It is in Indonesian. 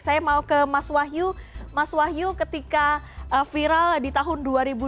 saya mau ke mas wahyu mas wahyu ketika viral di tahun dua ribu dua puluh